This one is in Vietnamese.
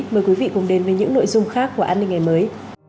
mời quý vị cùng đến với những nội dung khác của an ninh ngày mới